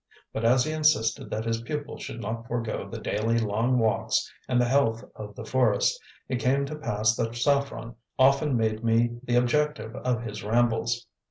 But as he insisted that his pupil should not forego the daily long walks and the health of the forest, it came to pass that Saffren often made me the objective of his rambles.